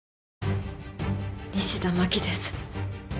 西田真紀です。